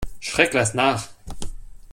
Schreck lass nach!